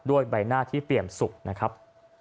ด้วยใบหน้าที่เปลี่ยนสุขนะครับ